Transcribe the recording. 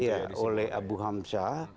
iya oleh abu hamzah